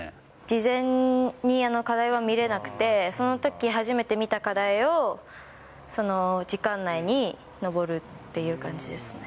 事前に課題は見れなくて、そのとき初めて見た課題を、時間内に登るっていう感じですね。